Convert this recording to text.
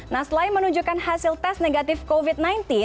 nah selain menunjukkan hasil tes negatif covid sembilan belas